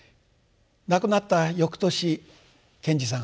亡くなった翌年賢治さん